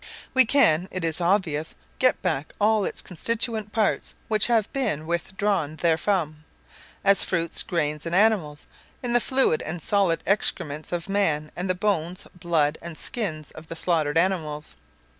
We can, it is obvious, get back all its constituent parts which have been withdrawn therefrom, as fruits, grain and animals, in the fluid and solid excrements of man, and the bones, blood and skins of the slaughtered animals.